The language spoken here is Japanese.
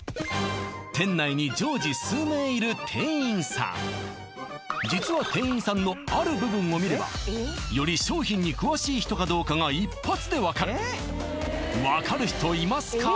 常時数名実は店員さんのある部分を見ればより商品に詳しい人かどうかが一発でわかるわかる人いますか？